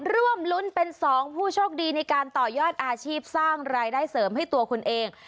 ร่วมรุ้นเป็น๒ผู้โชคดีในการต่อยอดอาชีพสร้างรายได้เสริมให้ตัวคุณเอง